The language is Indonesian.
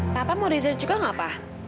papa mau rezert juga nggak pa